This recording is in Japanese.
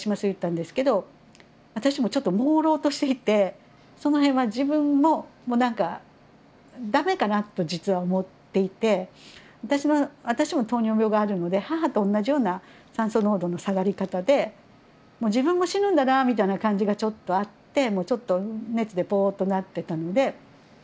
言ったんですけど私もちょっともうろうとしていてそのへんは自分ももう何か駄目かなと実は思っていて私も糖尿病があるので母と同じような酸素濃度の下がり方でもう自分も死ぬんだなみたいな感じがちょっとあってちょっと熱でぽっとなってたので。